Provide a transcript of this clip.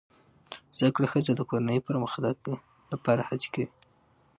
زده کړه ښځه د کورنۍ پرمختګ لپاره هڅې کوي